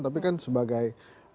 tapi kan sebagai